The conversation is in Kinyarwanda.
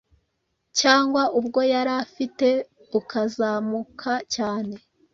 cyangwa ubwo yari afite bukazamuka cyane